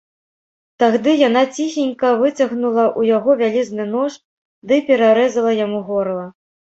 Тагды яна ціхенька выцягнула ў яго вялізны нож ды перарэзала яму горла.